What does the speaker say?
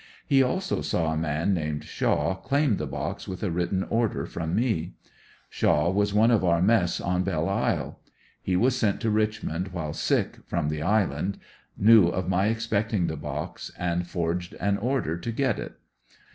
He also saw a man named Shaw claun the box with a written order from me, Shaw was one of our mess on Belle Isle. He was sent to Richmond while sick, from the island, knew of my expecting the box, and for ed an order to get it.